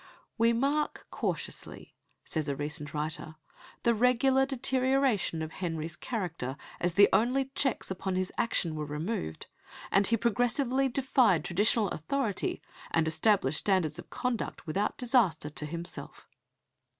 "We mark curiously," says a recent writer, "the regular deterioration of Henry's character as the only checks upon his action were removed, and he progressively defied traditional authority and established standards of conduct without disaster to himself."